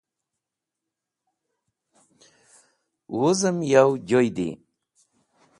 Wuzem yaw joydi.